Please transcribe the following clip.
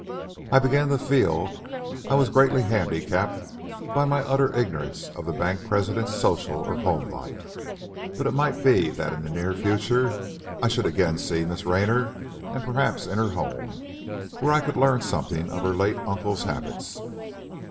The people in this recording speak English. I began to feel I was greatly handicapped by my utter ignorance of the bank president's social or home life. But it might be that in the near future I should again see Miss Raynor, and perhaps in her home, where I could learn something of her late uncle's habits.